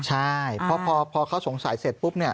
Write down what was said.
ใช่เพราะพอเขาสงสัยเสร็จปุ๊บเนี่ย